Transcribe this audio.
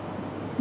vâng xin cảm ơn